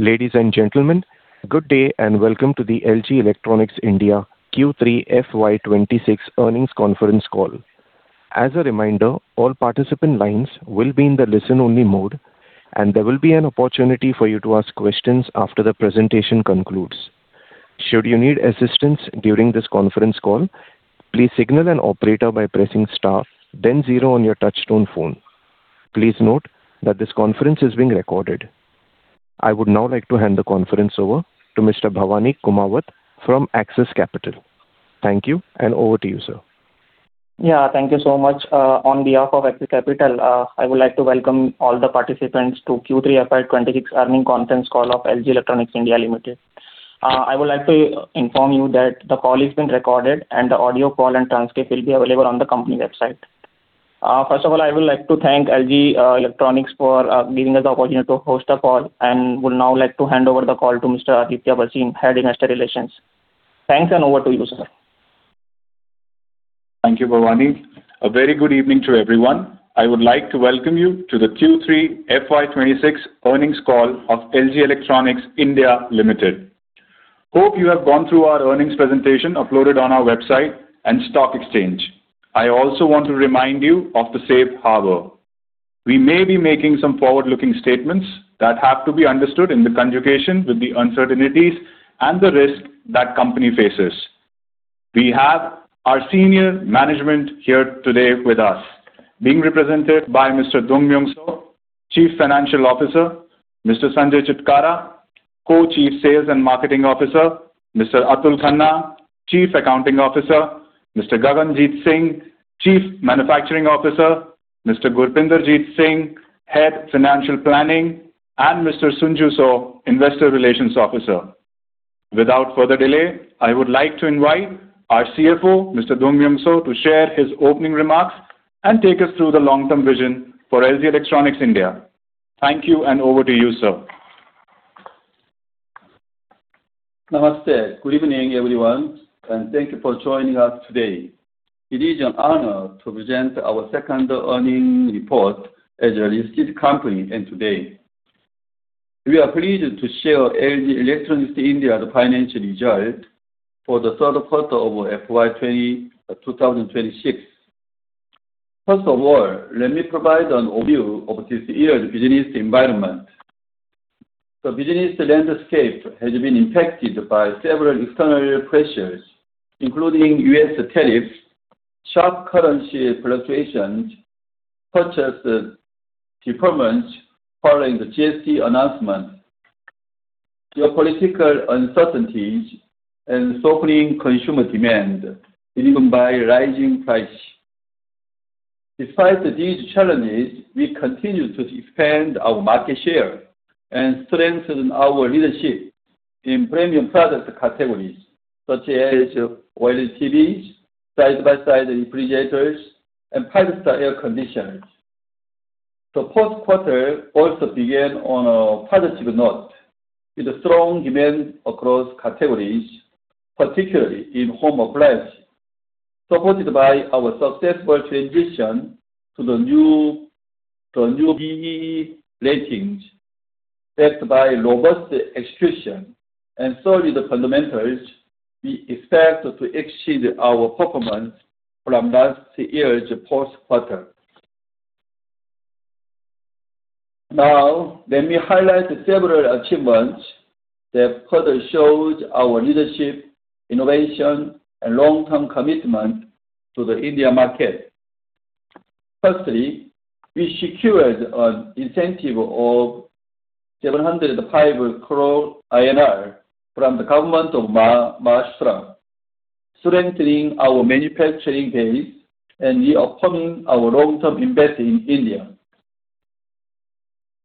Ladies and gentlemen, good day, and welcome to the LG Electronics India Q3 FY '26 earnings conference call. As a reminder, all participant lines will be in the listen-only mode, and there will be an opportunity for you to ask questions after the presentation concludes. Should you need assistance during this conference call, please signal an operator by pressing star, then zero on your touchtone phone. Please note that this conference is being recorded. I would now like to hand the conference over to Mr. Bhavani Kumawat from Axis Capital. Thank you, and over to you, sir. Yeah, thank you so much. On behalf of Axis Capital, I would like to welcome all the participants to Q3 FY26 earnings conference call of LG Electronics India Limited. I would like to inform you that the call is being recorded, and the audio call and transcript will be available on the company website. First of all, I would like to thank LG Electronics for giving us the opportunity to host the call, and would now like to hand over the call to Mr. Aditya Bhasin, Head Investor Relations. Thanks, and over to you, sir. Thank you, Bhavani. A very good evening to everyone. I would like to welcome you to the Q3 FY26 earnings call of LG Electronics India Limited. Hope you have gone through our earnings presentation uploaded on our website and stock exchange. I also want to remind you of the safe harbor. We may be making some forward-looking statements that have to be understood in the conjunction with the uncertainties and the risks that company faces. We have our senior management here today with us, being represented by Mr. Dongmyung Seo, Chief Financial Officer; Mr. Sanjay Chitkara, Co-Chief Sales and Marketing Officer; Mr. Atul Khanna, Chief Accounting Officer; Mr. Gaganjeet Singh, Chief Manufacturing Officer; Mr. Gurpinderjeet Singh, Head Financial Planning; and Mr. Soonjoo Seo, Investor Relations Officer. Without further delay, I would like to invite our CFO, Mr. Dongmyung Seo, to share his opening remarks and take us through the long-term vision for LG Electronics India. Thank you, and over to you, sir. Namaste! Good evening, everyone, and thank you for joining us today. It is an honor to present our second earnings report as a listed company, and today. We are pleased to share LG Electronics India's financial result for the third quarter of FY 2026. First of all, let me provide an overview of this year's business environment. The business landscape has been impacted by several external pressures, including U.S. tariffs, sharp currency fluctuations, purchase deferments following the GST announcement, geopolitical uncertainties, and softening consumer demand driven by rising price. Despite these challenges, we continue to expand our market share and strengthen our leadership in premium product categories, such as OLED TVs, side-by-side refrigerators, and five-star air conditioners. The fourth quarter also began on a positive note, with strong demand across categories, particularly in home appliance, supported by our successful transition to the new BEE ratings. Backed by robust execution and solid fundamentals, we expect to exceed our performance from last year's fourth quarter. Now, let me highlight several achievements that further shows our leadership, innovation, and long-term commitment to the India market. Firstly, we secured an incentive of 705 crore INR from the government of Maharashtra, strengthening our manufacturing base and reaffirming our long-term investment in India.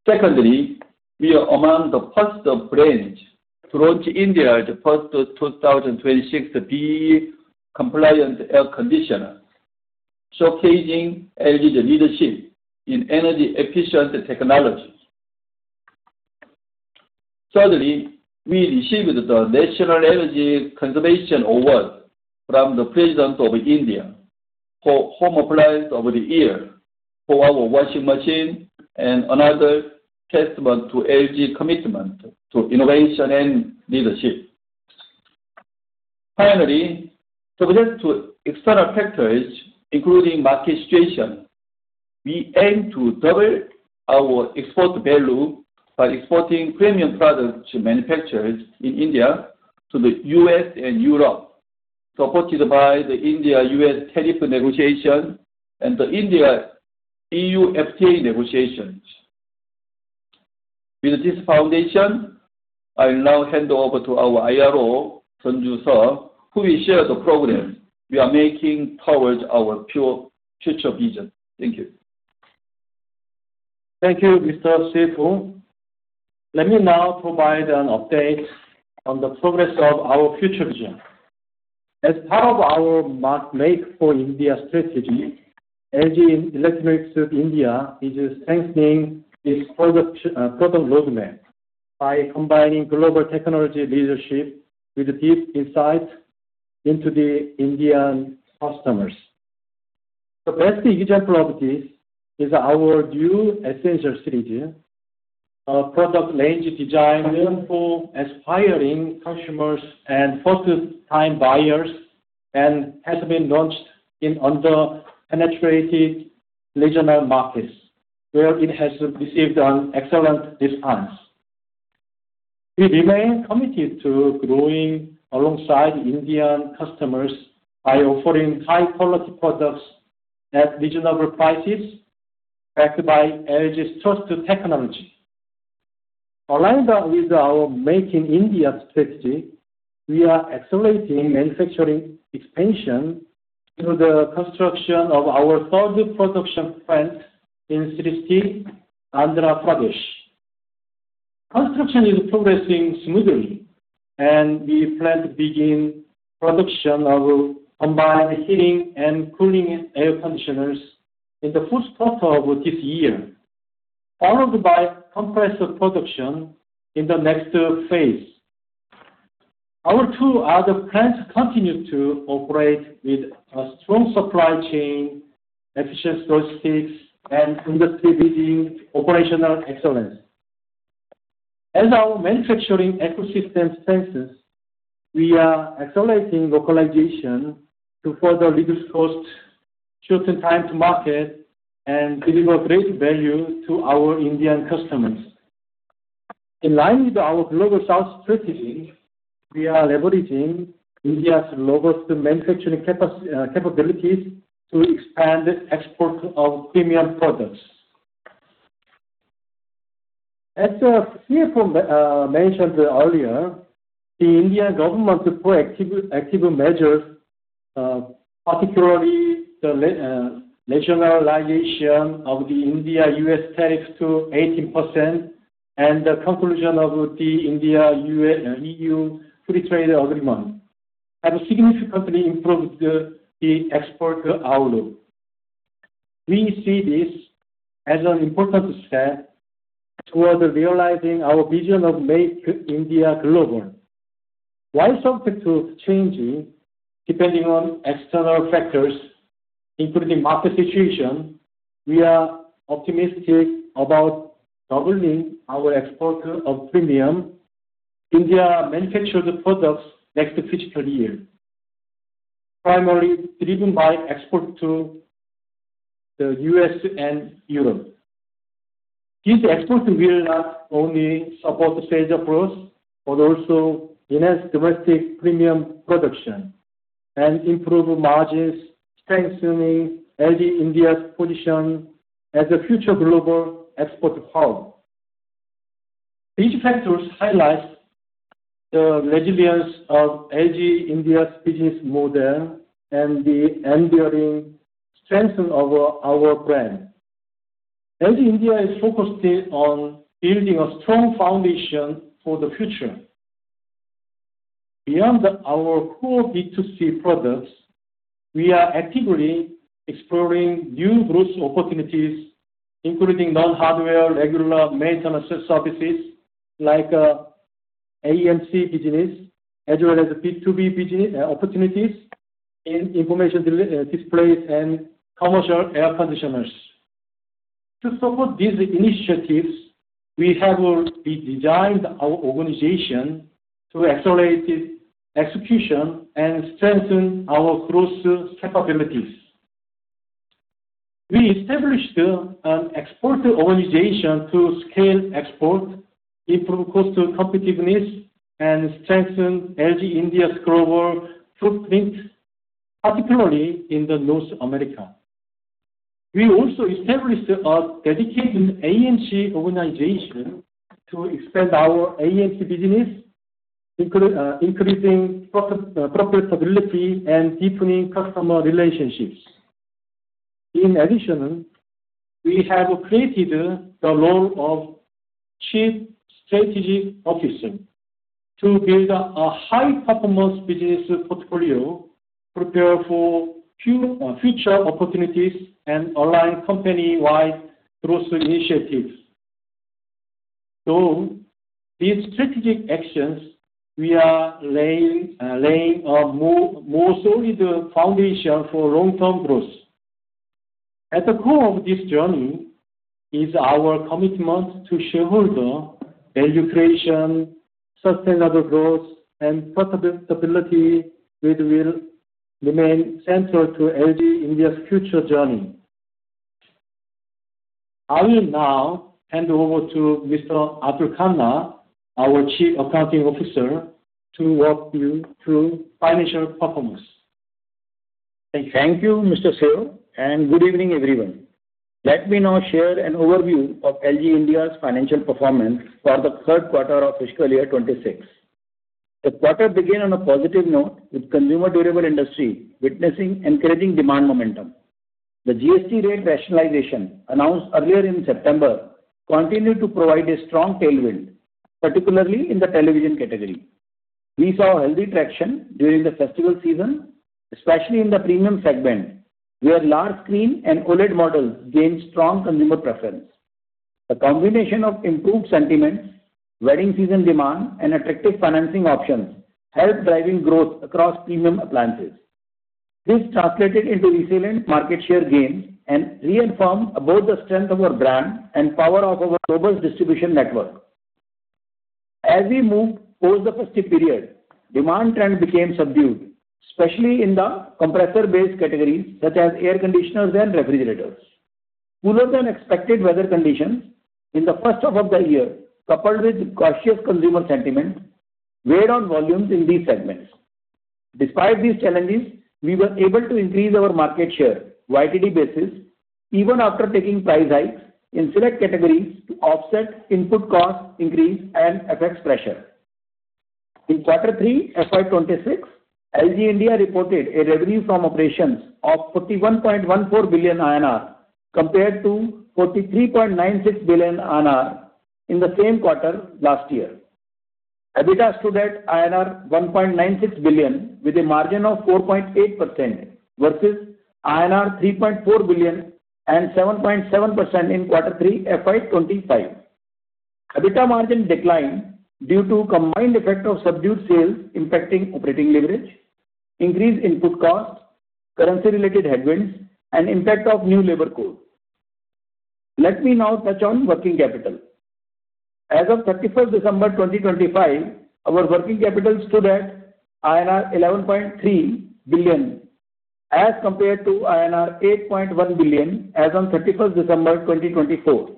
Secondly, we are among the first brands to launch India's first 2026 BEE compliant air conditioner, showcasing LG's leadership in energy efficient technologies. Thirdly, we received the National Energy Conservation Award from the President of India for home appliance over the year for our washing machine and another testament to LG's commitment to innovation and leadership. Finally, subject to external factors, including market situation, we aim to double our export value by exporting premium products manufactured in India to the U.S. and Europe, supported by the India-U.S. tariff negotiation and the India E.U. FTA negotiations. With this foundation, I will now hand over to our IRO, Soonjoo Seo, who will share the progress we are making towards our pure future vision. Thank you. Thank you, Mr. CFO. Let me now provide an update on the progress of our future vision. As part of our Make for India strategy, LG Electronics India is strengthening its product roadmap by combining global technology leadership with deep insight into the Indian customers. The best example of this is our new Essential strategy, a product range designed for aspiring consumers and first-time buyers, and has been launched in under-penetrated regional markets, where it has received an excellent response. We remain committed to growing alongside Indian customers by offering high-quality products at reasonable prices, backed by LG's trusted technology. Aligned with our Make in India strategy, we are accelerating manufacturing expansion through the construction of our third production plant in Sri City, Andhra Pradesh. Construction is progressing smoothly, and we plan to begin production of combined heating and cooling air conditioners in the first quarter of this year, followed by compressor production in the next phase. Our two other plants continue to operate with a strong supply chain, efficient logistics, and industry-leading operational excellence. As our manufacturing ecosystem strengthens, we are accelerating localization to further reduce costs, shorten time to market, and deliver great value to our Indian customers. In line with our Global South strategy, we are leveraging India's robust manufacturing capabilities to expand export of premium products. As CFO mentioned earlier, the Indian government proactive measures, particularly the narrowing of the India-U.S. tariffs to 18% and the conclusion of the India-EU free trade agreement, have significantly improved the export outlook. We see this as an important step towards realizing our vision of Make India Global. While subject to change, depending on external factors, including market situation, we are optimistic about doubling our export of premium India-manufactured products next fiscal year, primarily driven by export to the U.S. and Europe. These exports will not only support sales growth, but also enhance domestic premium production and improve margins, strengthening LG India's position as a future global export hub. These factors highlight the resilience of LG India's business model and the enduring strength of our, our brand. LG India is focused on building a strong foundation for the future. Beyond our core B2C products, we are actively exploring new growth opportunities, including non-hardware, regular maintenance services, like, AMC business, as well as B2B opportunities in information displays and commercial air conditioners. To support these initiatives, we have re-designed our organization to accelerate execution and strengthen our growth capabilities. We established, an export organization to scale export, improve cost competitiveness, and strengthen LG India's global footprint, particularly in North America. We also established a dedicated AMC organization to expand our AMC business, including increasing profitability and deepening customer relationships. In addition, we have created the role of Chief Strategy Officer to build a high-performance business portfolio, prepare for future opportunities, and align company-wide growth initiatives. So these strategic actions, we are laying a more solid foundation for long-term growth. At the core of this journey is our commitment to shareholder value creation, sustainable growth, and profitability, which will remain central to LG India's future journey. I will now hand over to Mr. Atul Khanna, our Chief Accounting Officer, to walk you through financial performance. Thank you, Mr. Seo, and good evening, everyone. Let me now share an overview of LG India's financial performance for the third quarter of fiscal year 2026. The quarter began on a positive note, with consumer durable industry witnessing encouraging demand momentum. The GST rate rationalization, announced earlier in September, continued to provide a strong tailwind, particularly in the television category. We saw healthy traction during the festival season, especially in the premium segment, where large screen and OLED models gained strong consumer preference. The combination of improved sentiments, wedding season demand, and attractive financing options helped driving growth across premium appliances. This translated into resilient market share gains and reaffirmed about the strength of our brand and power of our global distribution network. As we moved post the festive period, demand trend became subdued, especially in the compressor-based categories, such as air conditioners and refrigerators. Cooler than expected weather conditions in the first half of the year, coupled with cautious consumer sentiment, weighed on volumes in these segments. Despite these challenges, we were able to increase our market share YTD basis, even after taking price hikes in select categories to offset input cost increase and FX pressure. In Quarter Three, FY 2026, LG India reported a revenue from operations of 51.14 billion INR, compared to 43.96 billion INR in the same quarter last year. EBITDA stood at INR 1.96 billion, with a margin of 4.8%, versus INR 3.4 billion and 7.7% in Quarter Three, FY 2025. EBITDA margin declined due to combined effect of subdued sales impacting operating leverage, increased input costs, currency-related headwinds, and impact of new labor code. Let me now touch on working capital. As of 31 December 2025, our working capital stood at INR 11.3 billion, as compared to INR 8.1 billion as on 31 December 2024.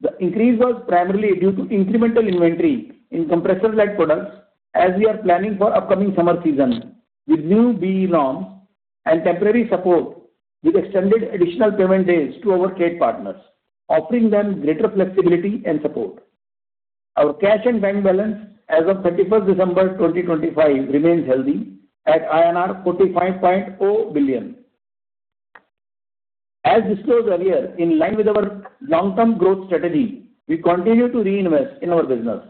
The increase was primarily due to incremental inventory in compressor-led products, as we are planning for upcoming summer season, with new BEE norms and temporary support, with extended additional payment days to our trade partners, offering them greater flexibility and support. Our cash and bank balance as of 31 December 2025 remains healthy at INR 45.0 billion. As disclosed earlier, in line with our long-term growth strategy, we continue to reinvest in our business.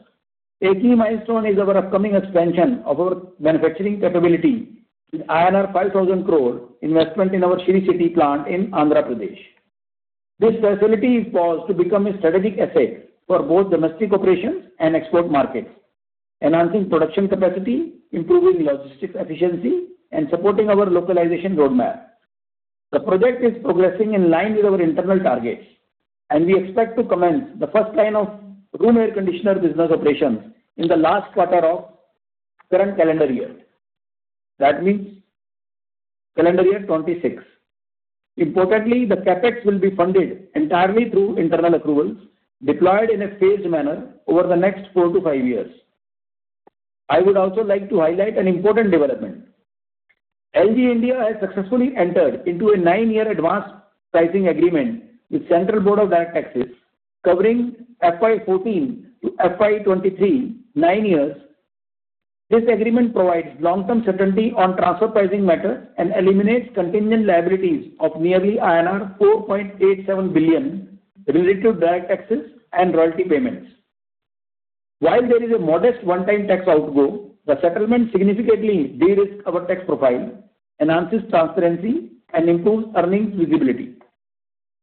A key milestone is our upcoming expansion of our manufacturing capability, with INR 5,000 crore investment in our Sri City plant in Andhra Pradesh. This facility is poised to become a strategic asset for both domestic operations and export markets, enhancing production capacity, improving logistics efficiency, and supporting our localization roadmap. The project is progressing in line with our internal targets, and we expect to commence the first line of room air conditioner business operations in the last quarter of current calendar year. That means calendar year 2026. Importantly, the CapEx will be funded entirely through internal approvals, deployed in a phased manner over the next 4-5 years. I would also like to highlight an important development. LG India has successfully entered into a 9-year Advance Pricing Agreement with Central Board of Direct Taxes, covering FY 2014 to FY 2023, 9 years. This agreement provides long-term certainty on transfer pricing matters and eliminates contingent liabilities of nearly INR 4.87 billion related to direct taxes and royalty payments. While there is a modest one-time tax outgo, the settlement significantly de-risks our tax profile, enhances transparency, and improves earnings visibility.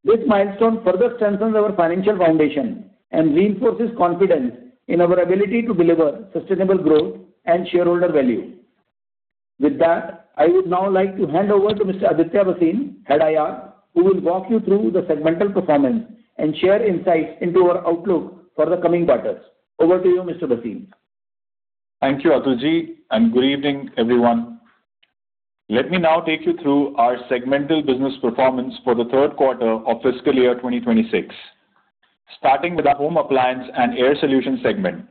This milestone further strengthens our financial foundation and reinforces confidence in our ability to deliver sustainable growth and shareholder value. With that, I would now like to hand over to Mr. Aditya Bhasin, Head IR, who will walk you through the segmental performance and share insights into our outlook for the coming quarters. Over to you, Mr. Bhasin. Thank you, Atulji, and good evening, everyone. Let me now take you through our segmental business performance for the third quarter of fiscal year 2026. Starting with our home appliance and air solution segment.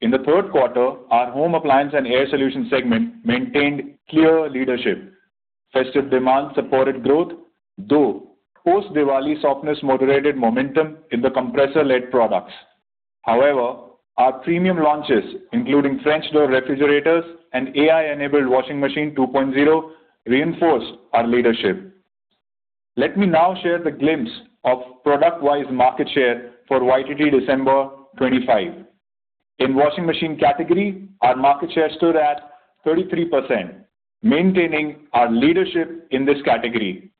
In the third quarter, our home appliance and air solution segment maintained clear leadership. Festive demand supported growth, though post-Diwali softness moderated momentum in the compressor-led products. However, our premium launches, including French door refrigerators and AI-enabled Washing Machine 2.0, reinforced our leadership. Let me now share the glimpse of product-wise market share for YTD, December 2025. In washing machine category, our market share stood at 33%, maintaining our leadership in this category.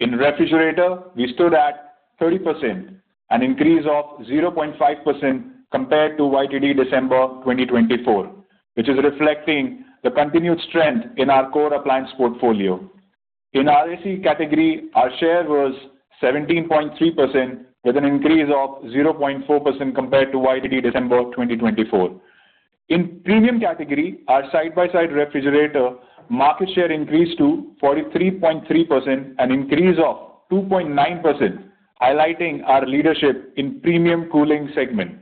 In refrigerator, we stood at 30%, an increase of 0.5% compared to YTD, December 2024, which is reflecting the continued strength in our core appliance portfolio. In RAC category, our share was 17.3%, with an increase of 0.4% compared to YTD, December of 2024. In premium category, our side-by-side refrigerator market share increased to 43.3%, an increase of 2.9%, highlighting our leadership in premium cooling segment.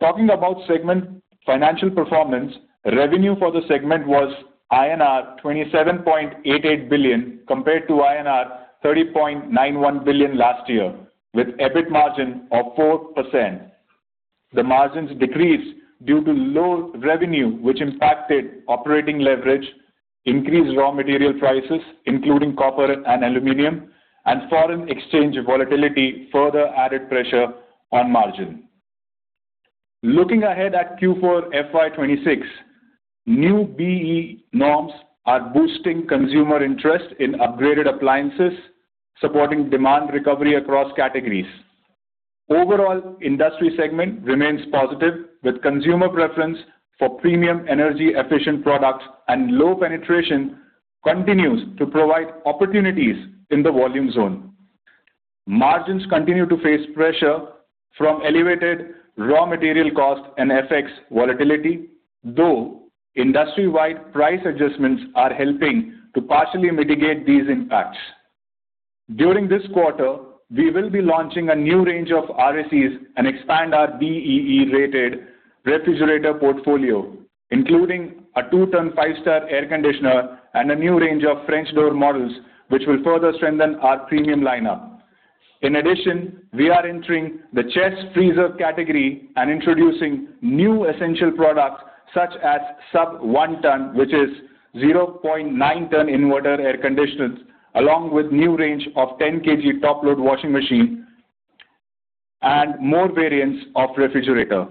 Talking about segment financial performance, revenue for the segment was INR 27.88 billion, compared to INR 30.91 billion last year, with EBIT margin of 4%. The margins decreased due to low revenue, which impacted operating leverage, increased raw material prices, including copper and aluminum, and foreign exchange volatility further added pressure on margin. Looking ahead at Q4 FY 2026, new BEE norms are boosting consumer interest in upgraded appliances, supporting demand recovery across categories. Overall, industry segment remains positive, with consumer preference for premium energy-efficient products, and low penetration continues to provide opportunities in the volume zone. Margins continue to face pressure from elevated raw material costs and FX volatility, though industry-wide price adjustments are helping to partially mitigate these impacts. During this quarter, we will be launching a new range of RACs and expand our BEE-rated refrigerator portfolio, including a 2-ton, 5-star air conditioner and a new range of French door models, which will further strengthen our premium lineup. In addition, we are entering the chest freezer category and introducing new essential products such as sub 1 ton, which is 0.9 ton inverter air conditioners, along with new range of 10 kg top-load washing machine and more variants of refrigerator.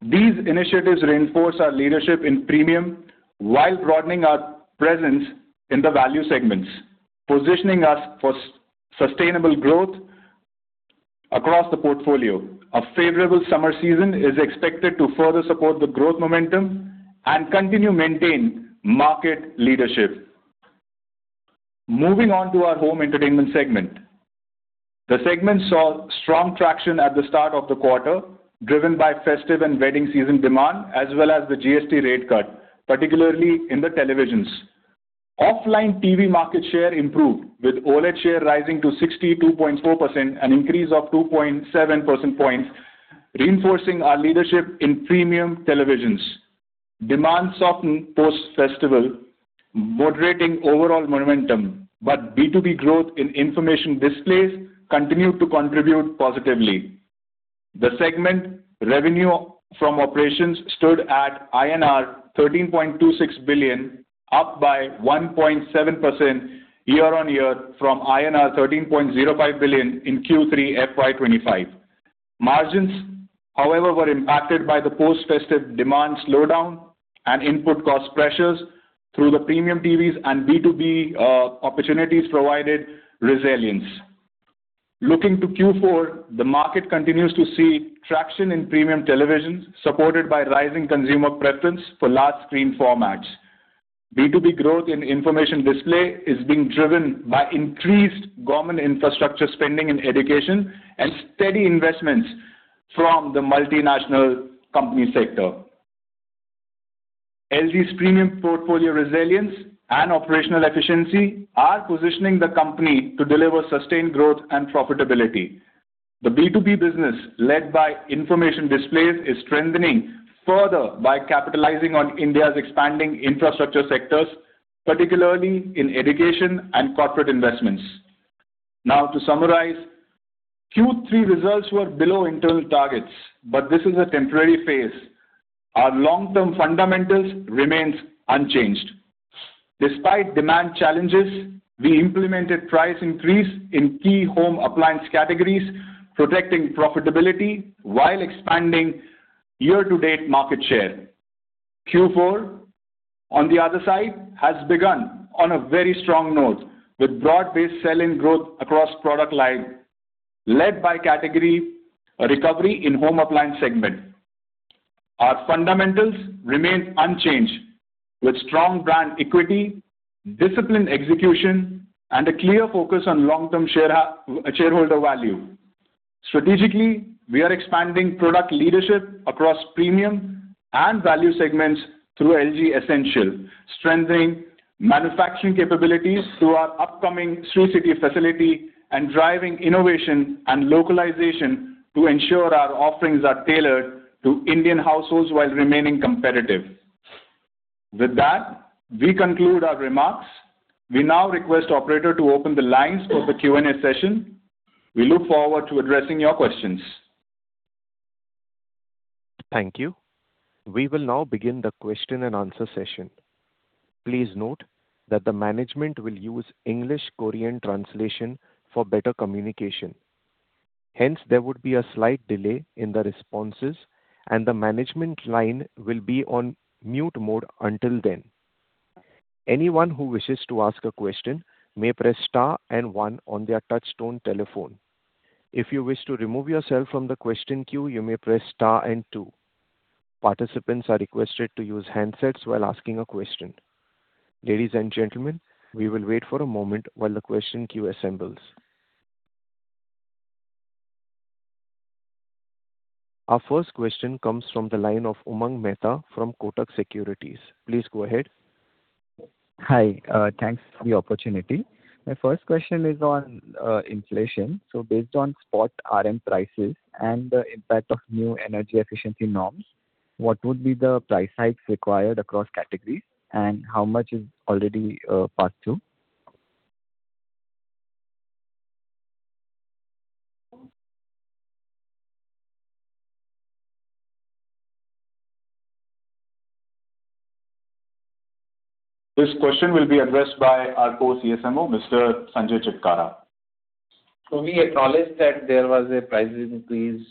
These initiatives reinforce our leadership in premium, while broadening our presence in the value segments, positioning us for sustainable growth across the portfolio. A favorable summer season is expected to further support the growth momentum and continue to maintain market leadership. Moving on to our home entertainment segment. The segment saw strong traction at the start of the quarter, driven by festive and wedding season demand, as well as the GST rate cut, particularly in the televisions. Offline TV market share improved, with OLED share rising to 62.4%, an increase of 2.7 percentage points, reinforcing our leadership in premium televisions. Demand softened post-festival, moderating overall momentum, but B2B growth in information displays continued to contribute positively. The segment revenue from operations stood at INR 13.26 billion, up by 1.7% year-on-year from INR 13.05 billion in Q3 FY 2025. Margins, however, were impacted by the post-festive demand slowdown and input cost pressures, though the premium TVs and B2B opportunities provided resilience. Looking to Q4, the market continues to see traction in premium televisions, supported by rising consumer preference for large screen formats. B2B growth in information display is being driven by increased government infrastructure spending in education, and steady investments from the multinational company sector. LG's premium portfolio resilience and operational efficiency are positioning the company to deliver sustained growth and profitability. The B2B business, led by information displays, is strengthening further by capitalizing on India's expanding infrastructure sectors, particularly in education and corporate investments. Now, to summarize, Q3 results were below internal targets, but this is a temporary phase. Our long-term fundamentals remains unchanged. Despite demand challenges, we implemented price increase in key home appliance categories, protecting profitability while expanding year-to-date market share. Q4, on the other side, has begun on a very strong note, with broad-based sell-in growth across product line, led by category, a recovery in home appliance segment. Our fundamentals remain unchanged, with strong brand equity, disciplined execution, and a clear focus on long-term shareholder value. Strategically, we are expanding product leadership across premium and value segments through LG Essential, strengthening manufacturing capabilities through our upcoming Sri City facility, and driving innovation and localization to ensure our offerings are tailored to Indian households while remaining competitive. With that, we conclude our remarks. We now request operator to open the lines for the Q&A session. We look forward to addressing your questions. Thank you. We will now begin the question and answer session. Please note that the management will use English, Korean translation for better communication. Hence, there would be a slight delay in the responses, and the management line will be on mute mode until then. Anyone who wishes to ask a question may press star and one on their touchtone telephone. If you wish to remove yourself from the question queue, you may press star and two. Participants are requested to use handsets while asking a question. Ladies and gentlemen, we will wait for a moment while the question queue assembles. Our first question comes from the line of Umang Mehta from Kotak Securities. Please go ahead. Hi, thanks for the opportunity. My first question is on inflation. Based on spot RM prices and the impact of new energy efficiency norms, what would be the price hikes required across categories, and how much is already passed through? This question will be addressed by our Co- CSMO, Mr. Sanjay Chitkara. So we acknowledge that there was a price increase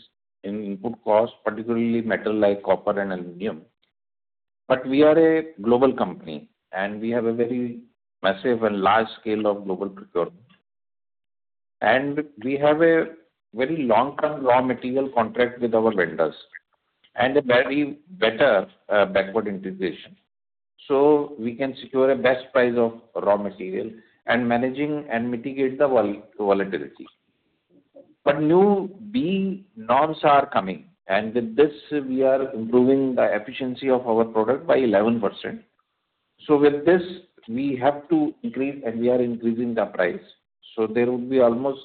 in input costs, particularly metal, like copper and aluminum. But we are a global company, and we have a very massive and large scale of global procurement. And we have a very long-term raw material contract with our vendors, and a very better backward integration, so we can secure a best price of raw material and managing and mitigate the volatility. But new BEE norms are coming, and with this, we are improving the efficiency of our product by 11%. So with this, we have to increase, and we are increasing the price. So there will be almost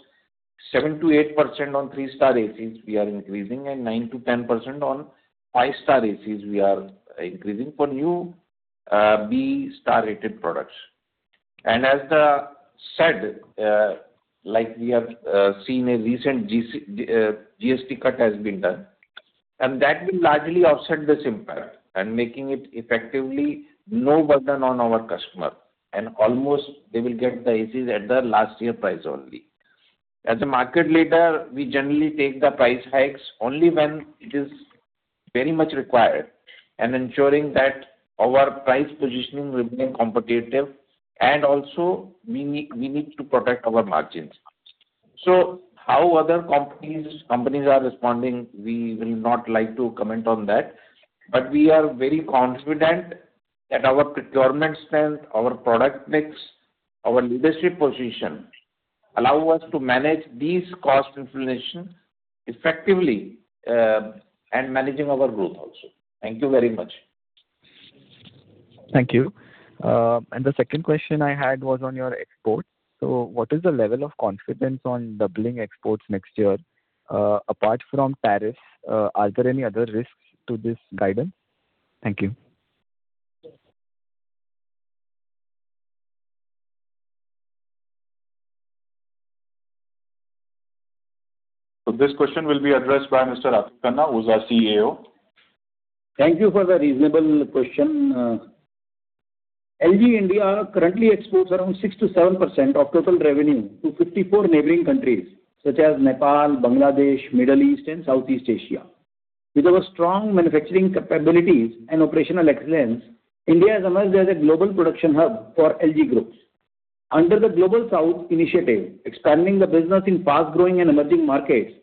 7%-8% on three-star ACs we are increasing, and 9%-10% on five-star ACs we are increasing for new BEE star-rated products. As I said, like we have seen a recent GST cut has been done, and that will largely offset this impact, and making it effectively no burden on our customer, and almost they will get the ACs at the last year's price only. As a market leader, we generally take the price hikes only when it is very much required, and ensuring that our price positioning will remain competitive, and also we need to protect our margins. So how other companies are responding, we will not like to comment on that, but we are very confident that our procurement strength, our product mix, our leadership position, allow us to manage these cost inflation effectively, and managing our growth also. Thank you very much. Thank you. And the second question I had was on your export. So what is the level of confidence on doubling exports next year? Apart from tariffs, are there any other risks to this guidance? Thank you. This question will be addressed by Mr. Atul Khanna, who's our CAO. Thank you for the reasonable question. LG India currently exports around 6%-7% of total revenue to 54 neighboring countries, such as Nepal, Bangladesh, Middle East, and Southeast Asia. With our strong manufacturing capabilities and operational excellence, India has emerged as a global production hub for LG Groups. Under the Global South Initiative, expanding the business in fast-growing and emerging markets,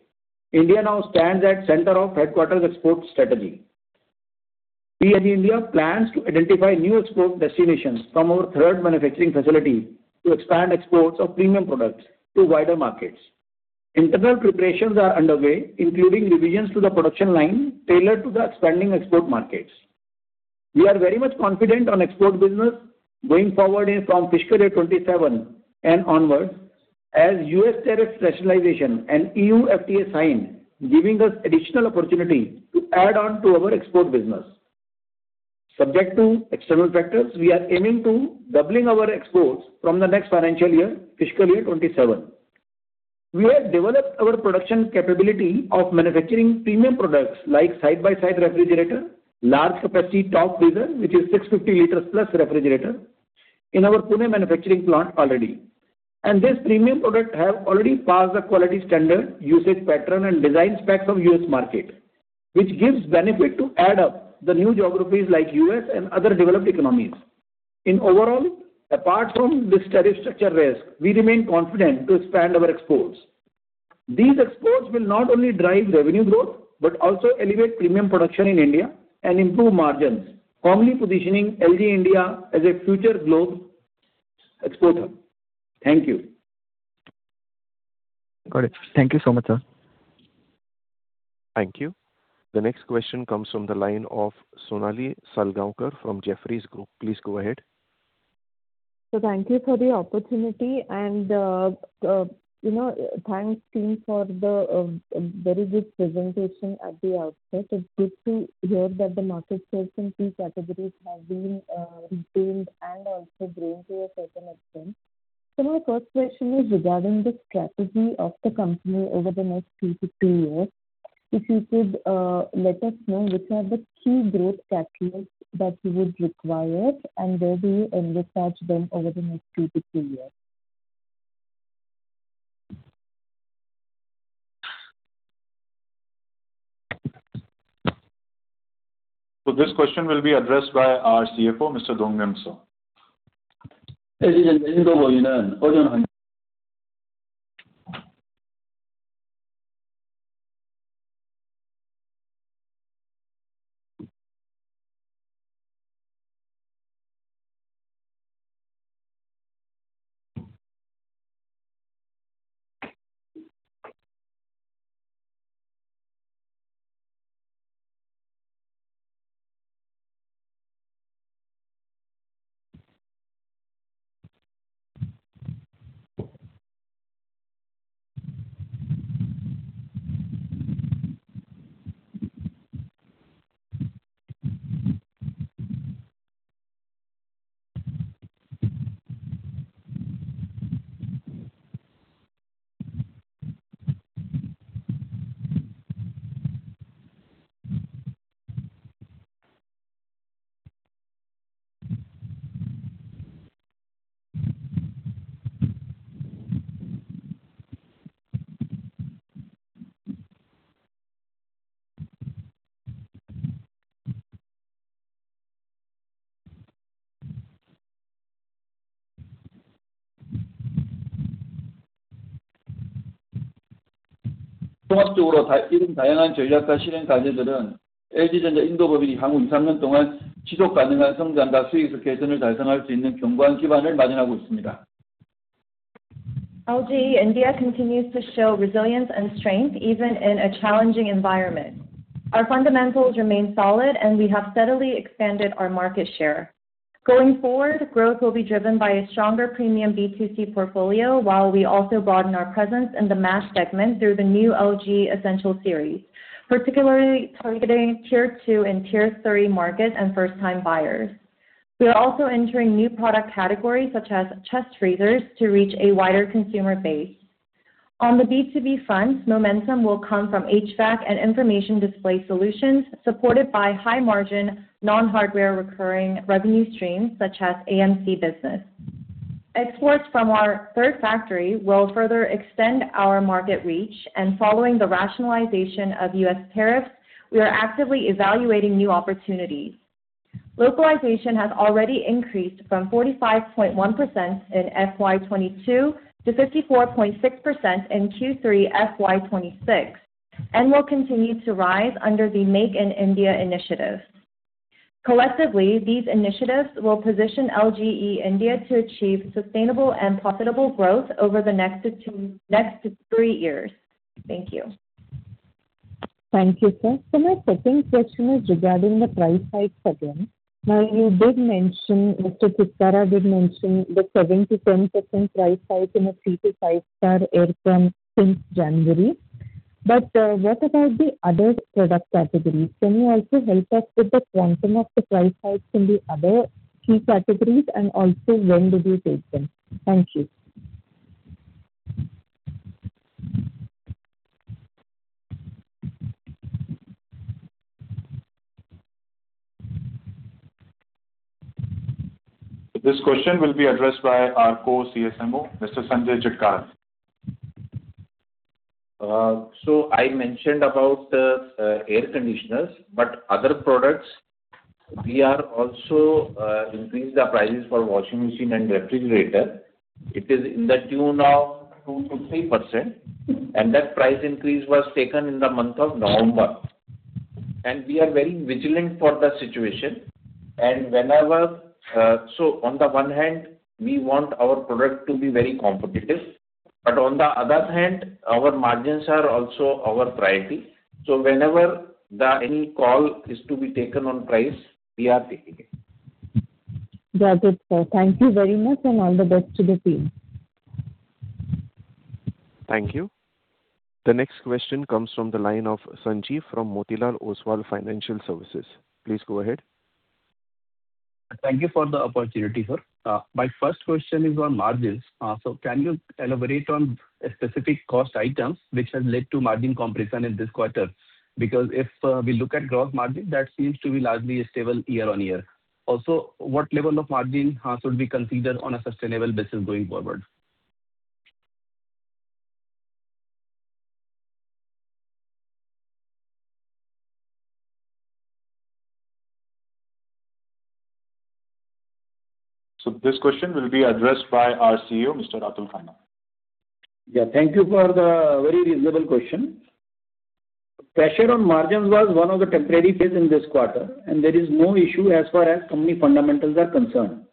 India now stands at center of headquarters export strategy. We at India, plans to identify new export destinations from our third manufacturing facility to expand exports of premium products to wider markets. Internal preparations are underway, including revisions to the production line, tailored to the expanding export markets. We are very much confident on export business going forward in from fiscal year 2027 and onwards, as U.S. tariff rationalization and E.U. FTA signed, giving us additional opportunity to add on to our export business. Subject to external factors, we are aiming to doubling our exports from the next financial year, fiscal year 2027. We have developed our production capability of manufacturing premium products, like side-by-side refrigerator, large capacity top freezer, which is 650 liters plus refrigerator, in our Pune manufacturing plant already. This premium product have already passed the quality standard, usage pattern, and design specs from U.S. market, which gives benefit to add up the new geographies like U.S. and other developed economies. In overall, apart from this tariff structure risk, we remain confident to expand our exports. These exports will not only drive revenue growth, but also elevate premium production in India and improve margins, firmly positioning LG India as a future global exporter. Thank you. Got it. Thank you so much, sir. Thank you. The next question comes from the line of Sonali Salgaokar from Jefferies Group. Please go ahead. So thank you for the opportunity, and, you know, thanks, team, for the very good presentation at the outset. It's good to hear that the market shares in key categories have been retained and also grown to a certain extent. So my first question is regarding the strategy of the company over the next 2-3 years. If you could let us know which are the key growth calculus that you would require, and where do you envisage them over the next 2-3 years? This question will be addressed by our CFO, Mr. Dongmyung Seo. 종합적으로 다, 이런 다양한 전략과 실행 과제들은 LG전자 인도 법인이 향후 이삼년 동안 지속 가능한 성장과 수익성 개선을 달성할 수 있는 견고한 기반을 마련하고 있습니다. LGE India continues to show resilience and strength even in a challenging environment. Our fundamentals remain solid, and we have steadily expanded our market share. Going forward, growth will be driven by a stronger premium B2C portfolio, while we also broaden our presence in the mass segment through the new LG Essential series, particularly targeting tier two and tier three markets and first-time buyers. We are also entering new product categories, such as chest freezers, to reach a wider consumer base. On the B2B front, momentum will come from HVAC and information display solutions, supported by high-margin, non-hardware recurring revenue streams, such as AMC business. Exports from our third factory will further extend our market reach, and following the rationalization of U.S. tariffs, we are actively evaluating new opportunities. Localization has already increased from 45.1% in FY 2022 to 54.6% in Q3 FY 2026, and will continue to rise under the Make in India initiative. Collectively, these initiatives will position LGE India to achieve sustainable and profitable growth over the next two-next three years. Thank you. Thank you, sir. So my second question is regarding the price hikes again. Now, you did mention, Mr. Kulkarni did mention the 7%-10% price hike in the 3- to 5-star aircon since January. But, what about the other product categories? Can you also help us with the quantum of the price hikes in the other key categories, and also, when did you take them? Thank you. This question will be addressed by our co-CSMO, Mr. Sanjay Chitkara. So I mentioned about the air conditioners, but other products, we are also increase the prices for washing machine and refrigerator. It is in the tune of 2%-3%, and that price increase was taken in the month of November. We are very vigilant for the situation, and whenever. So on the one hand, we want our product to be very competitive, but on the other hand, our margins are also our priority. So whenever the any call is to be taken on price, we are taking it. That's it, sir. Thank you very much, and all the best to the team. Thank you. The next question comes from the line of Sanjiv from Motilal Oswal Financial Services. Please go ahead. Thank you for the opportunity, sir. My first question is on margins. So can you elaborate on specific cost items which have led to margin compression in this quarter? Because if we look at gross margin, that seems to be largely stable year-on-year. Also, what level of margin should we consider on a sustainable basis going forward? This question will be addressed by our Vice President – Finance / Controller, Mr. Atul Khanna. Yeah, thank you for the very reasonable question. Pressure on margins was one of the temporary phase in this quarter, and there is no issue as far as company fundamentals are concerned.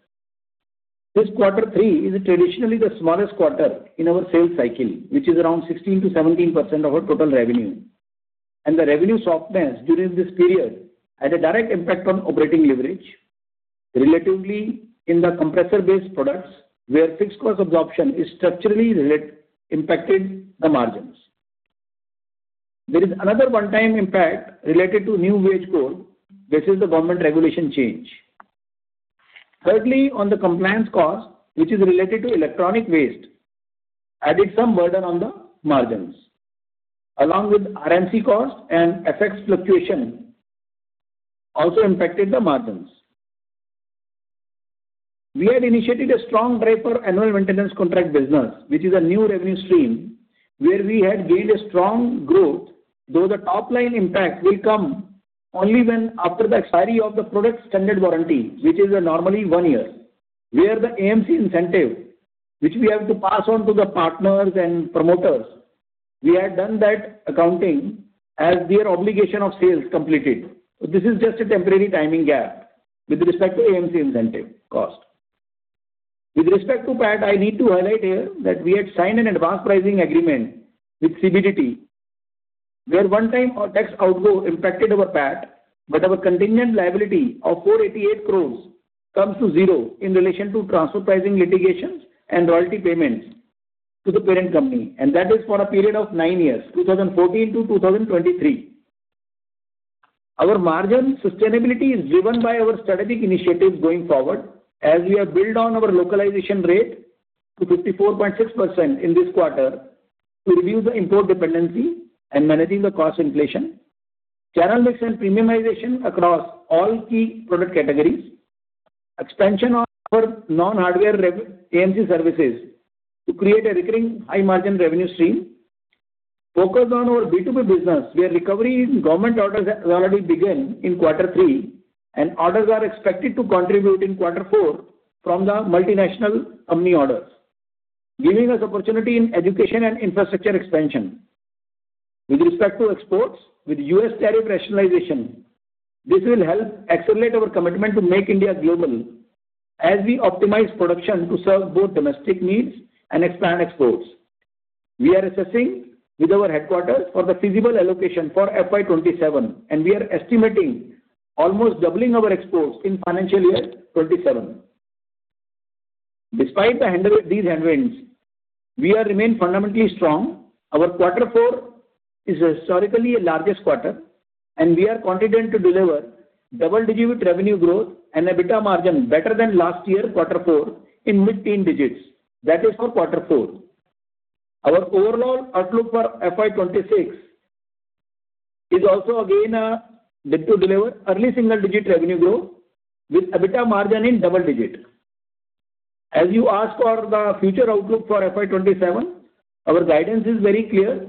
This quarter three is traditionally the smallest quarter in our sales cycle, which is around 16%-17% of our total revenue. The revenue softness during this period had a direct impact on operating leverage, relatively in the compressor-based products, where fixed cost absorption is structurally impacted the margins. There is another one-time impact related to new wage code, this is the government regulation change. Thirdly, on the compliance cost, which is related to electronic waste, added some burden on the margins, along with RMC cost and FX fluctuation, also impacted the margins. We had initiated a strong drive for Annual Maintenance Contract business, which is a new revenue stream, where we had gained a strong growth, though the top-line impact will come only when after the expiry of the product standard warranty, which is normally one year. Where the AMC incentive, which we have to pass on to the partners and promoters, we had done that accounting as their obligation of sales completed. So this is just a temporary timing gap with respect to AMC incentive cost. With respect to PAT, I need to highlight here that we had signed an advanced pricing agreement with CBDT, where one time our tax outflow impacted our PAT, but our contingent liability of 488 crore comes to zero in relation to transfer pricing litigations and royalty payments to the parent company, and that is for a period of nine years, 2014 to 2023. Our margin sustainability is driven by our strategic initiatives going forward, as we have built on our localization rate.... to 54.6% in this quarter to reduce the import dependency and managing the cost inflation. Channel mix and premiumization across all key product categories. Expansion of our non-hardware rev, AMC services to create a recurring high margin revenue stream. Focus on our B2B business, where recovery in government orders has already begun in quarter three, and orders are expected to contribute in quarter four from the multinational MNC orders, giving us opportunity in education and infrastructure expansion. With respect to exports, with U.S. tariff rationalization, this will help accelerate our commitment to Make India Global as we optimize production to serve both domestic needs and expand exports. We are assessing with our headquarters for the feasible allocation for FY 2027, and we are estimating almost doubling our exports in financial year 2027. Despite these headwinds, we remain fundamentally strong. Our quarter four is historically our largest quarter, and we are confident to deliver double-digit revenue growth and EBITDA margin better than last year, quarter four, in mid-teen digits. That is for quarter four. Our overall outlook for FY 26 is also again built to deliver early single-digit revenue growth with EBITDA margin in double-digit. As you ask for the future outlook for FY 27, our guidance is very clear.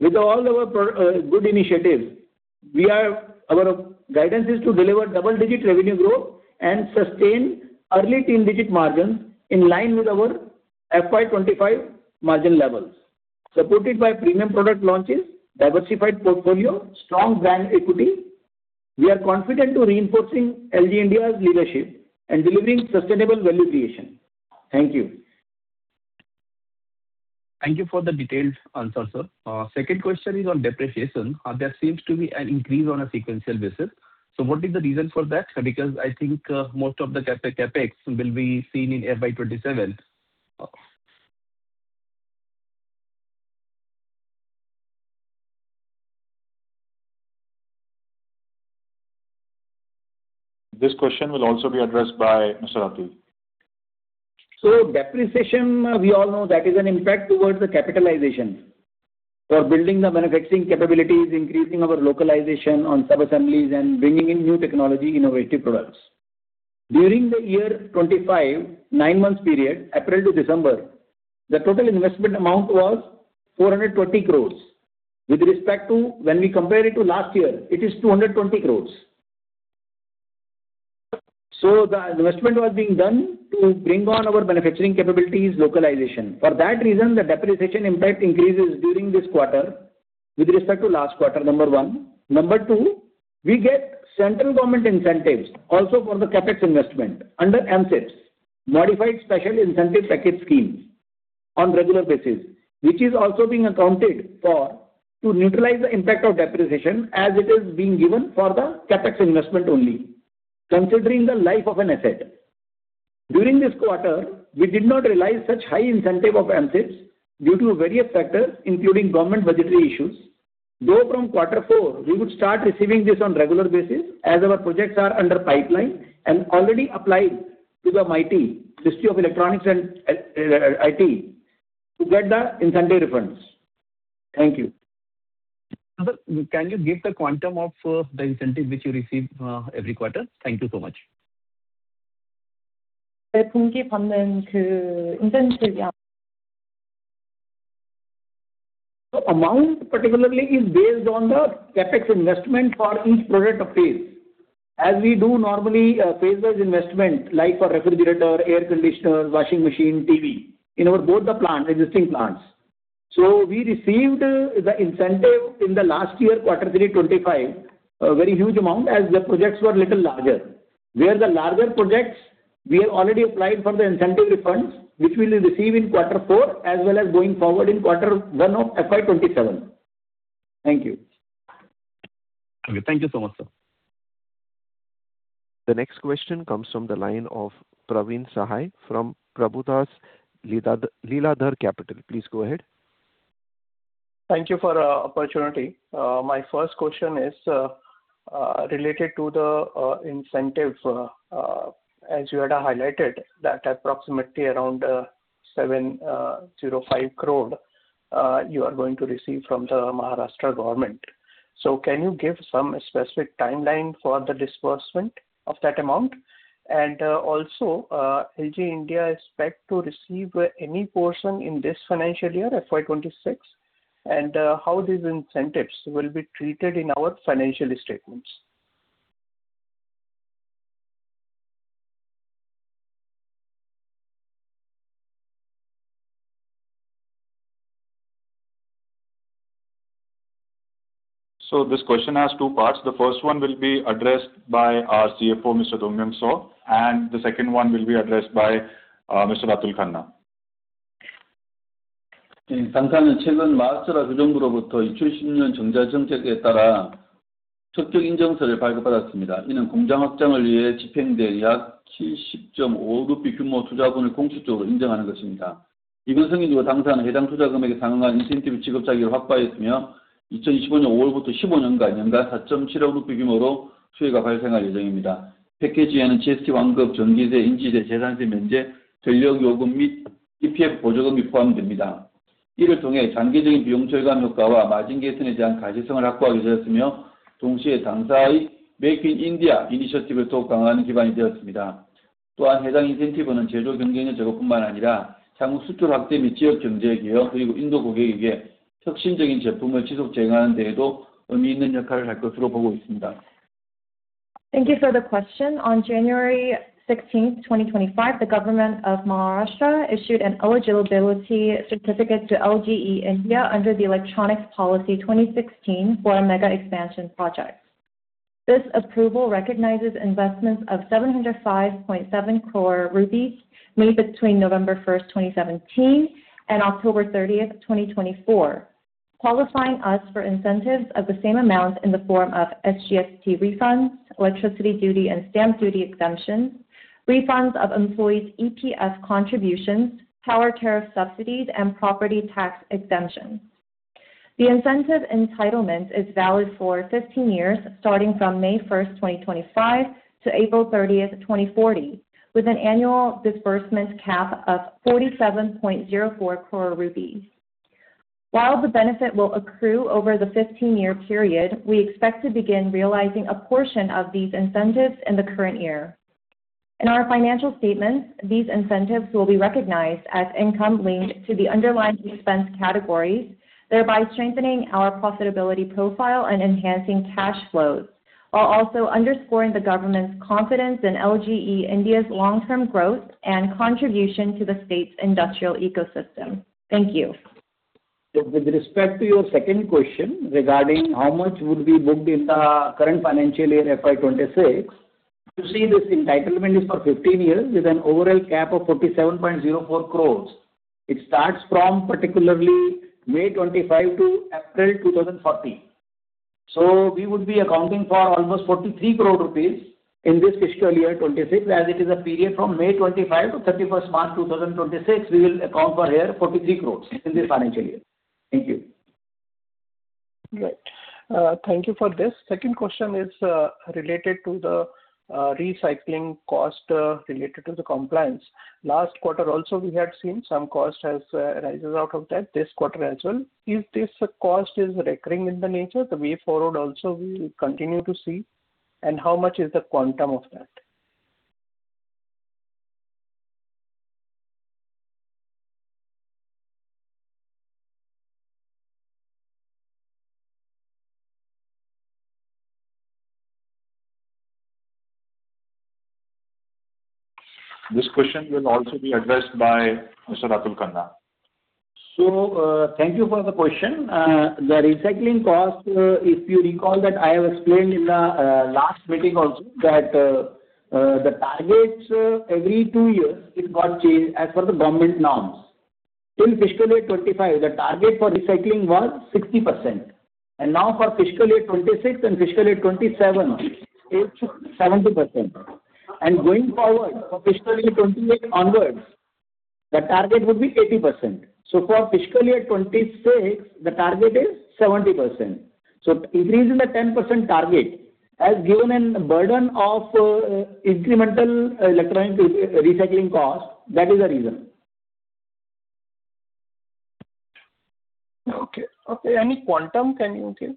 With all our pro good initiatives, we are our guidance is to deliver double-digit revenue growth and sustain early teen-digit margins in line with our FY 25 margin levels, supported by premium product launches, diversified portfolio, strong brand equity. We are confident to reinforcing LG India's leadership and delivering sustainable value creation. Thank you. Thank you for the detailed answer, sir. Second question is on depreciation. There seems to be an increase on a sequential basis. So what is the reason for that? Because I think, most of the CapEx, CapEx will be seen in FY 2027. This question will also be addressed by Mr. Atul. So depreciation, we all know that is an impact towards the capitalization. We are building the manufacturing capabilities, increasing our localization on sub-assemblies, and bringing in new technology, innovative products. During the year 2025, nine months period, April to December, the total investment amount was 420 crore. With respect to when we compare it to last year, it is 220 crore. So the investment was being done to bring on our manufacturing capabilities localization. For that reason, the depreciation impact increases during this quarter with respect to last quarter, number one. Number two, we get central government incentives also for the CapEx investment under MSIPS, Modified Special Incentive Package Schemes, on regular basis, which is also being accounted for to neutralize the impact of depreciation as it is being given for the CapEx investment only, considering the life of an asset. During this quarter, we did not realize such high incentive of MSIPS due to various factors, including government budgetary issues, though from quarter four, we would start receiving this on regular basis as our projects are under pipeline and already applied to the MeitY, Ministry of Electronics and IT, to get the incentive refunds. Thank you. Sir, can you give the quantum of the incentive which you receive every quarter? Thank you so much. The amount, particularly, is based on the CapEx investment for each product phase. As we do normally, phase those investment, like for refrigerator, air conditioner, washing machine, TV, in our both the plant, existing plants. So we received the incentive in the last year, quarter 3 2025, a very huge amount, as the projects were little larger. Where the larger projects, we have already applied for the incentive refunds, which we will receive in quarter 4, as well as going forward in quarter 1 of FY 2027. Thank you. Okay. Thank you so much, sir. The next question comes from the line of Praveen Sahay from Prabhudas Lilladher Capital. Please go ahead. Thank you for the opportunity. My first question is related to the incentive. As you had highlighted, that approximately around 705 crore you are going to receive from the Maharashtra government. So can you give some specific timeline for the disbursement of that amount? And also LG India expect to receive any portion in this financial year, FY 2026, and how these incentives will be treated in our financial statements? This question has two parts. The first one will be addressed by our CFO, Mr. Dongmyung Seo, and the second one will be addressed by Mr. Atul Khanna. Thank you for the question. On January 16, 2025, the government of Maharashtra issued an eligibility certificate to LGE India under the Electronics Policy 2016 for a mega expansion project. This approval recognizes investments of 705.7 crore rupees made between November 1, 2017, and October 30, 2024, qualifying us for incentives of the same amount in the form of SGST refunds, electricity duty and stamp duty exemptions, refunds of employees' EPF contributions, power tariff subsidies, and property tax exemptions. The incentive entitlement is valid for 15 years, starting from May 1, 2025 to April 30, 2040, with an annual disbursement cap of 47.04 crore rupees. While the benefit will accrue over the 15-year period, we expect to begin realizing a portion of these incentives in the current year. In our financial statements, these incentives will be recognized as income linked to the underlying expense categories, thereby strengthening our profitability profile and enhancing cash flows, while also underscoring the government's confidence in LGE India's long-term growth and contribution to the state's industrial ecosystem. Thank you. So with respect to your second question regarding how much would be booked in the current financial year, FY 2026, you see this entitlement is for 15 years with an overall cap of 47.04 crore. It starts from particularly May 2025 to April 2040. So we would be accounting for almost 43 crore rupees in this fiscal year, 2026, as it is a period from May 2025 to 31 March 2026, we will account for here 43 crore in this financial year. Thank you. Right. Thank you for this. Second question is, related to the, recycling cost, related to the compliance. Last quarter also, we had seen some cost has, rises out of that, this quarter as well. Is this cost is recurring in the nature, the way forward also we will continue to see, and how much is the quantum of that? This question will also be addressed by Mr. Atul Khanna. So, thank you for the question. The recycling cost, if you recall that I have explained in the last meeting also that the targets every two years, it got changed as per the government norms. Till fiscal year 2025, the target for recycling was 60%, and now for fiscal year 2026 and fiscal year 2027, it's 70%. And going forward, for fiscal year 2028 onwards, the target would be 80%. So for fiscal year 2026, the target is 70%. So increasing the 10% target has given a burden of incremental electronic recycling cost. That is the reason. Okay. Okay, any quantum can you give?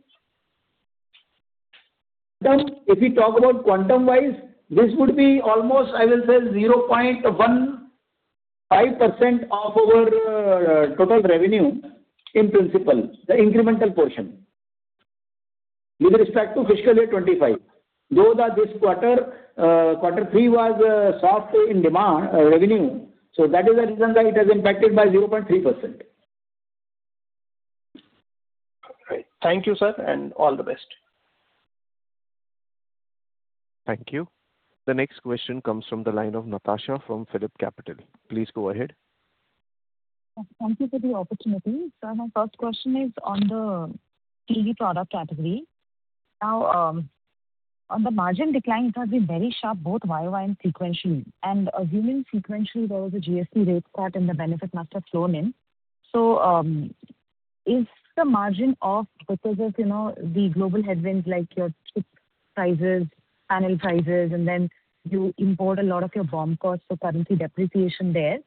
If we talk about quantum-wise, this would be almost, I will say, 0.15% of our total revenue in principle, the incremental portion with respect to fiscal year 2025. Though this quarter, quarter three was soft in demand, revenue, so that is the reason that it has impacted by 0.3%. Right. Thank you, sir, and all the best. Thank you. The next question comes from the line of Natasha from Phillip Capital. Please go ahead. Thank you for the opportunity. So my first question is on the TV product category. Now, on the margin decline, it has been very sharp, both year-over-year and sequentially. And assuming sequentially, there was a GST rate cut and the benefit must have flown in. So, is the margin off because of, you know, the global headwinds, like your chip prices, panel prices, and then you import a lot of your BOM costs, so currency depreciation there?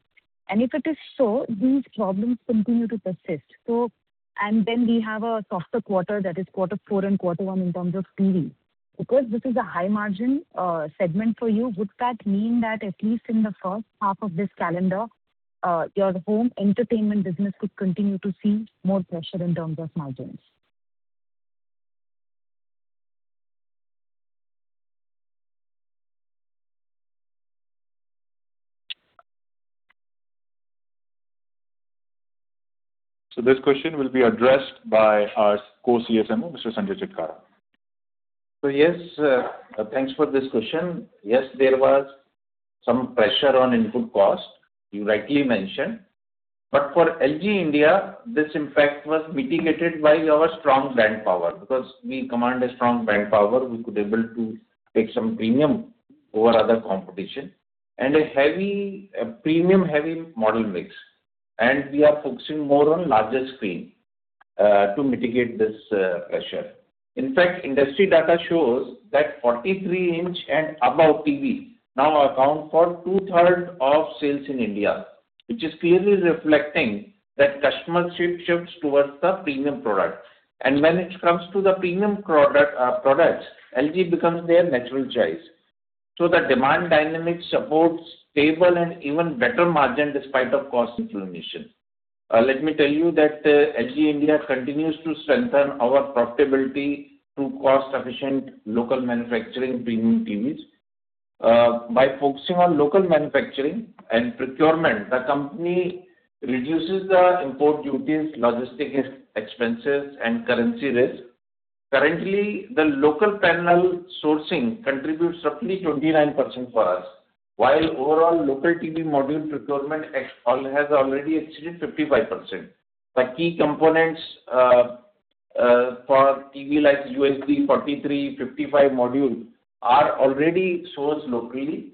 And if it is so, these problems continue to persist. So, and then we have a softer quarter, that is quarter four and quarter one, in terms of TV. Because this is a high margin segment for you, would that mean that at least in the first half of this calendar, your home entertainment business could continue to see more pressure in terms of margins? This question will be addressed by our Co-CSM, Mr. Sanjay Chitkara. So yes, thanks for this question. Yes, there was some pressure on input cost, you rightly mentioned, but for LG India, this impact was mitigated by our strong brand power, because we command a strong brand power, we could able to take some premium over other competition, and a heavy, a premium heavy model mix. And we are focusing more on larger screen to mitigate this pressure. In fact, industry data shows that 43-inch and above TV now account for two-thirds of sales in India, which is clearly reflecting that customer shift towards the premium product. And when it comes to the premium product, products, LG becomes their natural choice. So the demand dynamic supports stable and even better margin despite of cost inflation. Let me tell you that, LG India continues to strengthen our profitability through cost-efficient local manufacturing premium TVs. By focusing on local manufacturing and procurement, the company reduces the import duties, logistics expenses, and currency risk. Currently, the local panel sourcing contributes roughly 29% for us, while overall local TV module procurement has already exceeded 55%. The key components for TV, like UHD 43, 55 module, are already sourced locally.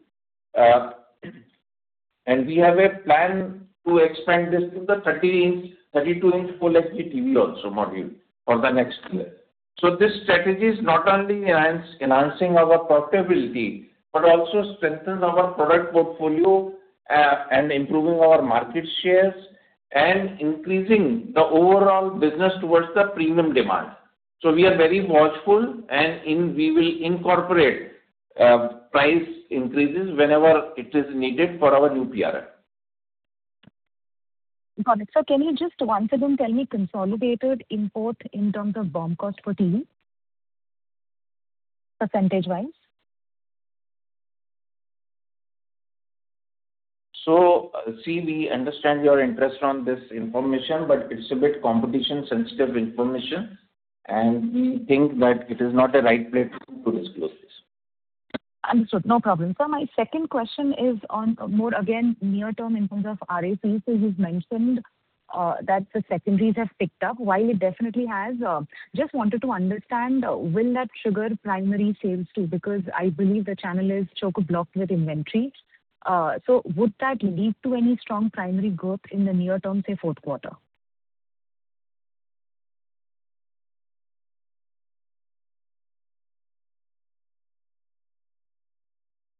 And we have a plan to expand this to the 30-inch, 32-inch full HD TV also module for the next year. So this strategy is not only enhancing our profitability, but also strengthen our product portfolio and improving our market shares, and increasing the overall business towards the premium demand. So we are very watchful, and we will incorporate price increases whenever it is needed for our new products. Got it. Sir, can you just once again tell me consolidated import in terms of BOM cost for TV, percentage-wise? So, see, we understand your interest on this information, but it's a bit competition-sensitive information, and we think that it is not the right platform to disclose this. Understood. No problem. Sir, my second question is on more, again, near term in terms of RAC. So you've mentioned that the secondaries have picked up. While it definitely has, just wanted to understand, will that trigger primary sales, too? Because I believe the channel is choke blocked with inventory. So would that lead to any strong primary growth in the near term, say, fourth quarter?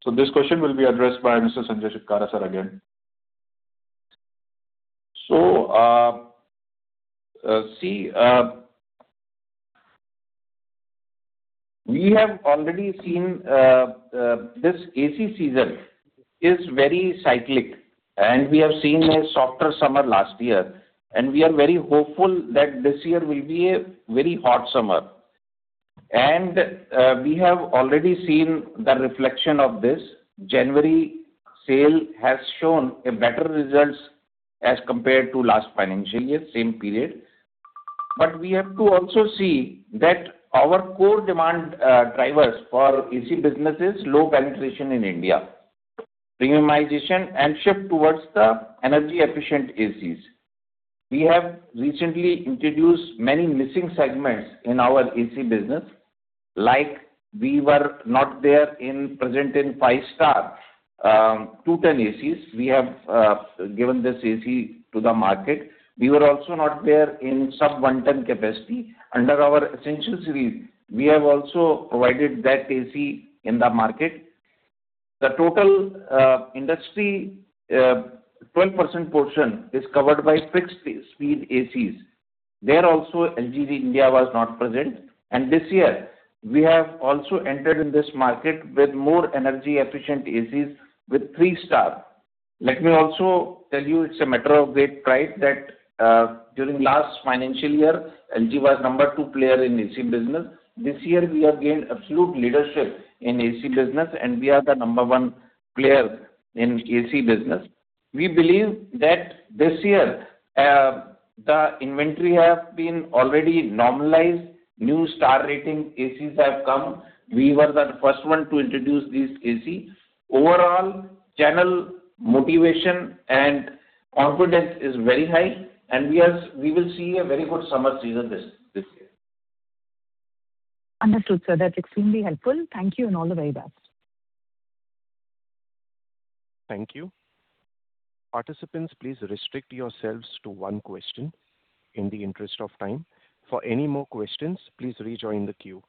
So this question will be addressed by Mr. Sanjay Chitkara, sir, again. So, we have already seen this AC season is very cyclic, and we have seen a softer summer last year, and we are very hopeful that this year will be a very hot summer. And we have already seen the reflection of this. January sale has shown better results as compared to last financial year, same period. But we have to also see that our core demand drivers for AC business is low penetration in India, premiumization, and shift towards the energy-efficient ACs. We have recently introduced many missing segments in our AC business. Like, we were not there in present in five-star 2-ton ACs. We have given this AC to the market. We were also not there in sub-1-ton capacity. Under our Essentials series, we have also provided that AC in the market. The total, industry, 12% portion is covered by fixed-speed ACs. There also, LG India was not present, and this year we have also entered in this market with more energy-efficient ACs with 3-star. Let me also tell you, it's a matter of great pride that, during last financial year, LG was number 2 player in AC business. This year, we have gained absolute leadership in AC business, and we are the number 1 player in AC business. We believe that this year, the inventory have been already normalized, new star rating ACs have come. We were the first one to introduce these AC. Overall, channel motivation and confidence is very high, and we will see a very good summer season this year. Understood, sir. That's extremely helpful. Thank you, and all the very best. Thank you. Participants, please restrict yourselves to one question in the interest of time. For any more questions, please rejoin the queue.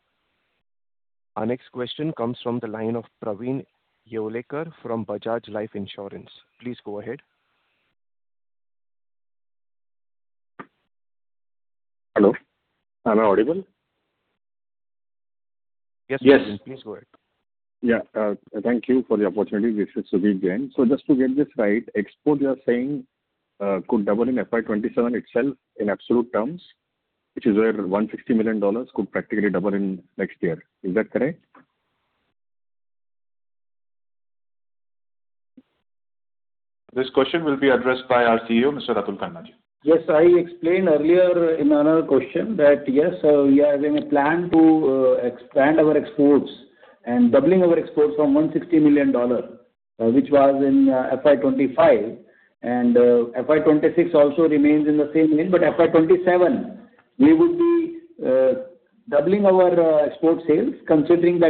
Our next question comes from the line of Praveen Yeolekar from Bajaj Life Insurance. Please go ahead. Hello, am I audible? Yes, Praveen- Yes. Please go ahead. Yeah, thank you for the opportunity. This is Subhi again. So just to get this right, export, you are saying, could double in FY 2027 itself in absolute terms, which is where $160 million could practically double in next year. Is that correct? This question will be addressed by our Vice President – Finance / Controller, Mr. Atul Khanna. Yes, I explained earlier in another question that, yes, we are having a plan to expand our exports and doubling our exports from $160 million, which was in FY 2025, and FY 2026 also remains in the same range, but FY 2027- We would be doubling our export sales considering the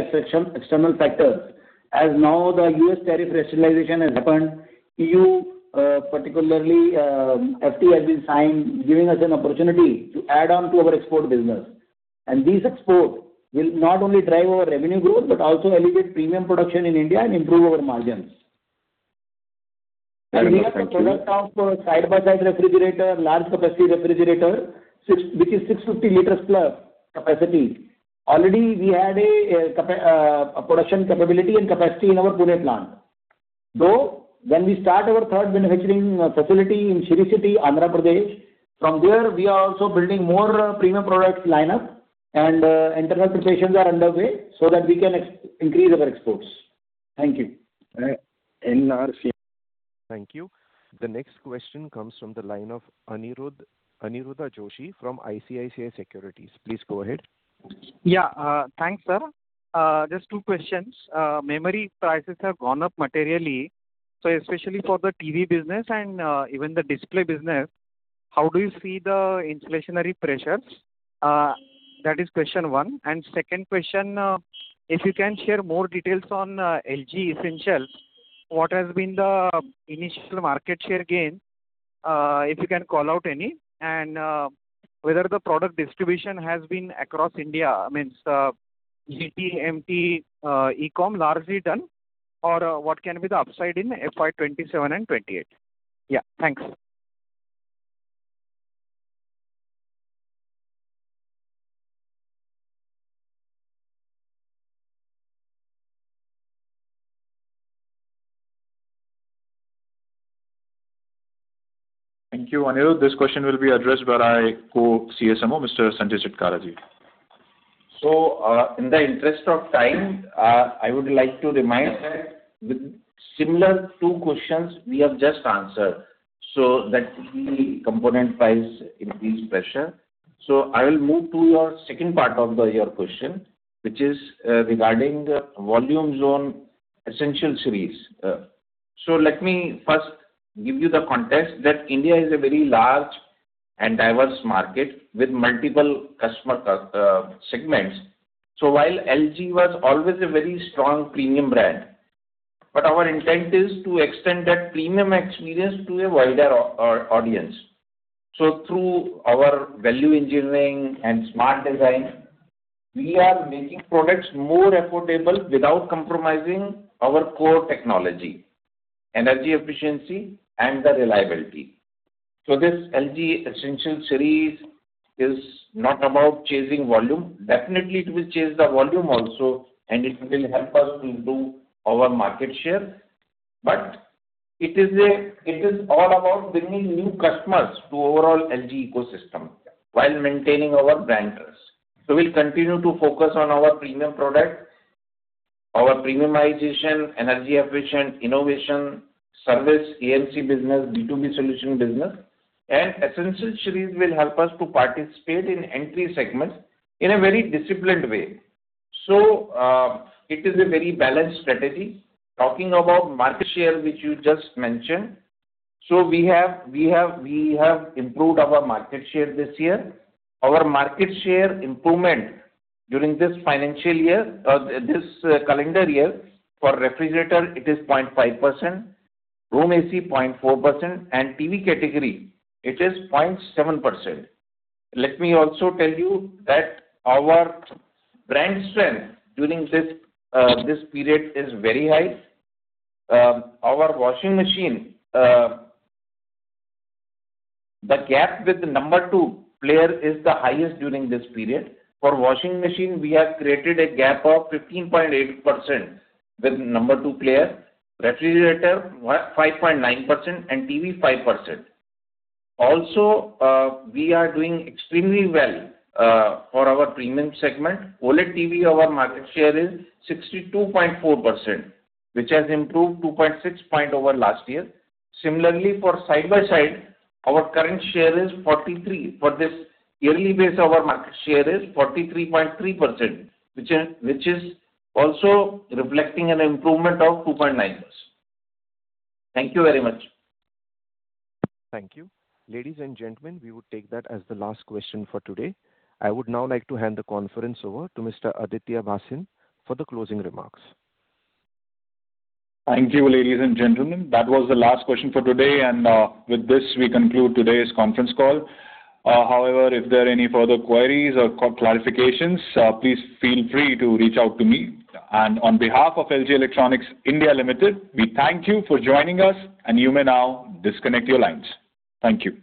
external factors, as now the U.S. tariff rationalization has happened, E.U., particularly, FTA has been signed, giving us an opportunity to add on to our export business. And these export will not only drive our revenue growth, but also elevate premium production in India and improve our margins. Thank you. Side-by-side refrigerator, large capacity refrigerator, 650 liters plus capacity. Already we had a production capability and capacity in our Pune plant. Though, when we start our third manufacturing facility in Sri City, Andhra Pradesh, from there, we are also building more premium products lineup, and internal preparations are underway so that we can increase our exports. Thank you. In our- Thank you. The next question comes from the line of Aniruddha Joshi from ICICI Securities. Please go ahead. Yeah, thanks, sir. Just two questions. Memory prices have gone up materially, so especially for the TV business and, even the display business, how do you see the inflationary pressures? That is question one. And second question, if you can share more details on, LG Essentials, what has been the initial market share gain, if you can call out any, and, whether the product distribution has been across India, means, GT, MT, e-com largely done, or, what can be the upside in FY 2027 and 2028? Yeah, thanks. Thank you, Aniruddha. This question will be addressed by our Co-CSMO, Mr. Sanjay Chitkara Ji. In the interest of time, I would like to remind that with similar two questions we have just answered, so that the component price increase pressure. So I will move to your second part of the, your question, which is, regarding volume in essential series. So let me first give you the context that India is a very large and diverse market with multiple customer segments. So while LG was always a very strong premium brand, but our intent is to extend that premium experience to a wider audience. So through our value engineering and smart design, we are making products more affordable without compromising our core technology, energy efficiency, and the reliability. So this LG Essential series is not about chasing volume. Definitely, it will chase the volume also, and it will help us to do our market share, but it is all about bringing new customers to overall LG ecosystem while maintaining our brand trust. So we'll continue to focus on our premium product, our premiumization, energy efficient, innovation, service, AMC business, B2B solution business, and Essential series will help us to participate in entry segments in a very disciplined way. So, it is a very balanced strategy. Talking about market share, which you just mentioned, so we have improved our market share this year. Our market share improvement during this financial year, this calendar year, for refrigerator, it is 0.5%, room AC 0.4%, and TV category, it is 0.7%. Let me also tell you that our brand strength during this, this period is very high. Our washing machine, the gap with the number two player is the highest during this period. For washing machine, we have created a gap of 15.8% with number two player, refrigerator, 5.9%, and TV, 5%. Also, we are doing extremely well, for our premium segment. OLED TV, our market share is 62.4%, which has improved 2.6 point over last year. Similarly, for side-by-side, our current share is 43. For this yearly base, our market share is 43.3%, which is also reflecting an improvement of 2.9. Thank you very much. Thank you. Ladies and gentlemen, we would take that as the last question for today. I would now like to hand the conference over to Mr. Aditya Bhasin for the closing remarks. Thank you, ladies and gentlemen. That was the last question for today, and with this, we conclude today's conference call. However, if there are any further queries or clarifications, please feel free to reach out to me. On behalf of LG Electronics India Limited, we thank you for joining us, and you may now disconnect your lines. Thank you.